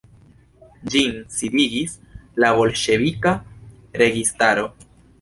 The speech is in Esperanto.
Ĝin disigis la bolŝevika registaro.